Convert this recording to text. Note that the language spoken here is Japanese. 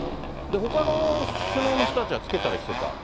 ほかの首脳の人たちはつけたりしてた。